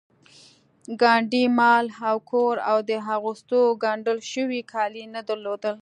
ګاندي مال او کور او د اغوستو ګنډل شوي کالي نه درلودل